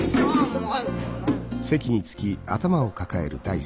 もう！